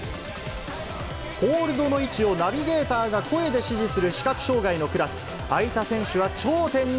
ホールドを位置をナビゲーターが声で指示する視覚障がいのクラス。